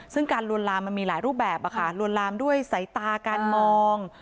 ซึ่งการลวนลามมันมีหลายรูปแบบลวนลามด้วยสายตาการมอง